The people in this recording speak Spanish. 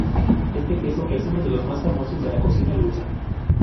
Este queso es uno de los más famosos de la cocina lusa.